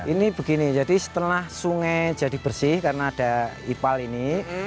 ini begini jadi setelah sungai jadi bersih karena ada ipal ini